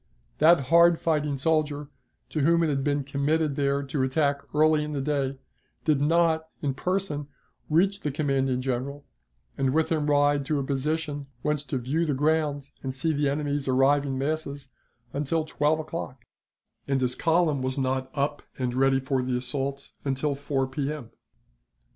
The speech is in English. That hard fighting soldier, to whom it had been committed there to attack early in the day, did not, in person, reach the commanding General, and with him ride to a position whence to view the ground and see the enemy's arriving masses, until twelve o'clock; and his column was not up and ready for the assault until 4 P.M.